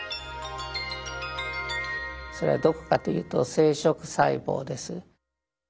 それはどこかというと生殖細胞です。